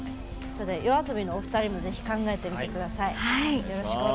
ＹＯＡＳＯＢＩのお二人もぜひ考えてみてください。